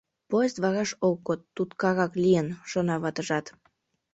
«Поезд вараш ок код, туткарак лийын», — шона ватыжат.